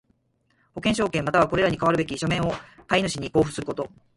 保険証券又はこれに代わるべき書面を買主に交付すること。